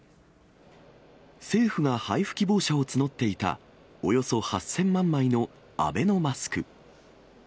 政府が配布希望者を募っていたおよそ８０００万枚のアベノマスク。